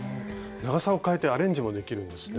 長さをかえてアレンジもできるんですね。